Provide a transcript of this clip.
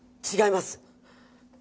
違います。